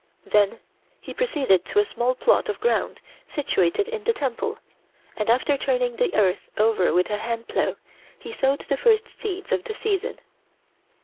Then he proceeded to a small plot of ground situated in the temple and after turning the earth over with a hand plow he sowed the first seeds of the season.